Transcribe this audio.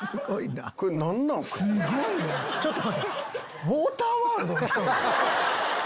ちょっと待て。